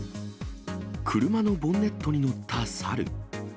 車のボンネットに乗った猿。